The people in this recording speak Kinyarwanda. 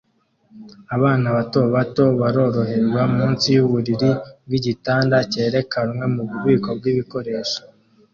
Abana bato bato baroroherwa munsi yuburiri bwigitanda cyerekanwe mububiko bwibikoresho